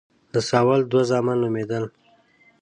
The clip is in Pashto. د ساول دوه زامن نومېدل.